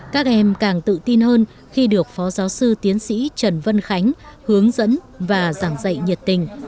các em càng tự tin hơn khi được phó giáo sư tiến sĩ trần vân khánh hướng dẫn và giảng dạy nhiệt tình